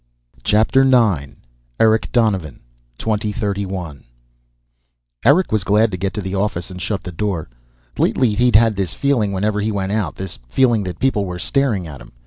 "Right now, I'm taking you home." 9. Eric Donovan 2031 Eric was glad to get to the office and shut the door. Lately he'd had this feeling whenever he went out, this feeling that people were staring at him.